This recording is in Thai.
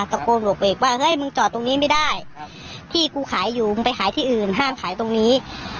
โกนบอกเบรกว่าเฮ้ยมึงจอดตรงนี้ไม่ได้ที่กูขายอยู่มึงไปขายที่อื่นห้างขายตรงนี้